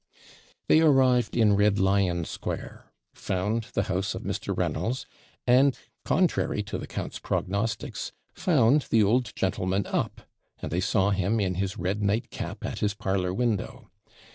They arrived in Red Lion Square, found the house of Mr. Reynolds, and, contrary to the count's prognostics, found the old gentleman up, and they saw him in his red night cap at his parlour window.